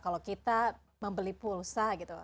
kalau kita membeli pulsa gitu